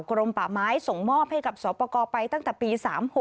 กรมป่าไม้ส่งมอบให้กับสอบประกอบไปตั้งแต่ปี๓๖